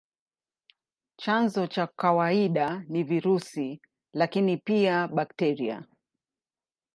Chanzo cha kawaida ni virusi, lakini pia bakteria.